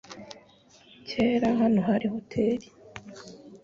Kera hano hari hoteri.